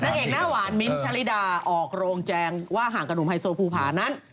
เอกหน้าหวานมิ้นท์ชะลิดาออกโรงแจงว่าห่างกับหนุ่มไฮโซภูผานั้น